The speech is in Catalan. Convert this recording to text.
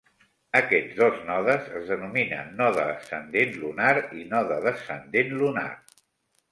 Aquests dos nodes es denominen node ascendent lunar i node descendent lunar.